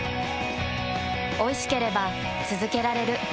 おいしければつづけられる。